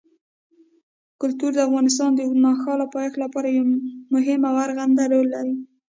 کلتور د افغانستان د اوږدمهاله پایښت لپاره یو مهم او رغنده رول لري.